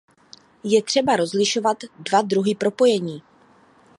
Je třeba rozlišovat dva druhy propojení.